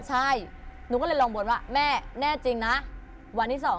ใช่หนูก็เลยลองบนว่าแม่แน่จริงนะวันที่สอง